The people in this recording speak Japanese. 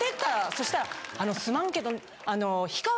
そしたらあのすまんけどあの。